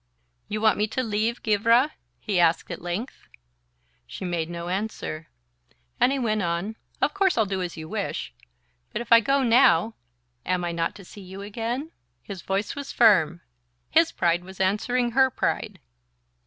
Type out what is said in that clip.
"You want me to leave Givre?" he asked at length. She made no answer, and he went on: "Of course I'll do as you wish; but if I go now am I not to see you again?" His voice was firm: his pride was answering her pride!